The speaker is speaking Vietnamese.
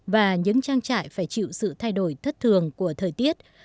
và những trang trại phải chịu sự thay đổi thất thường của thời tiết